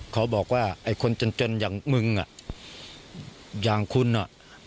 เขาบอกว่าไอ้คนจนจนอย่างมึงอ่ะอย่างคุณอ่ะ